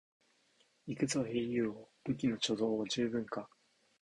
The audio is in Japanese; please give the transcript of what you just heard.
行くぞ英雄王、武器の貯蔵は十分か？